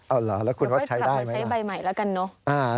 เอาเหรอแล้วคุณว่าใช้ได้ไหมล่ะคุณค่อยถามว่าใช้ใบใหม่ละกันเนอะใช่ไหม